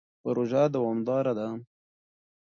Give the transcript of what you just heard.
پروژه دوامداره ده.